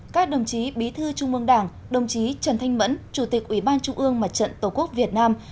các đồng chí bí thư trung mương đảng đồng chí trần thanh mẫn chủ tịch ủy ban trung ương mặt trận tổ quốc việt nam